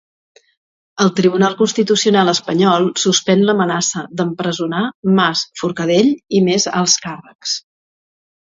El Tribunal Constitucional espanyol suspèn l'amenaça d'empresonar Mas, Forcadell i més alts càrrecs.